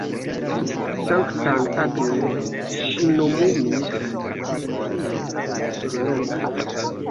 Sanktan Agnes ŝi nomumis abatino surloka.